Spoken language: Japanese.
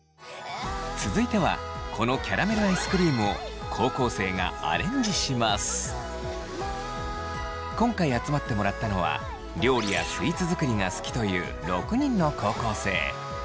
続いてはこのキャラメルアイスクリームを今回集まってもらったのは料理やスイーツ作りが好きという６人の高校生。